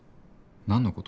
何のこと？